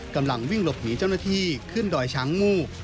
กำลังวิ่งหลบหนีเจ้าหน้าที่ขึ้นดอยช้างงู